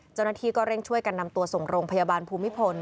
เจ้าหน้าที่ก็เร่งช่วยกันนำตัวส่งโรงพยาบาลภูมิพล